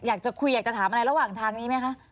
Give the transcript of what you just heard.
อยากจะคุยอยากจะถามอะไรระหว่างทางนี้ไหมคะ